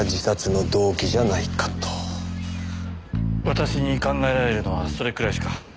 私に考えられるのはそれくらいしか。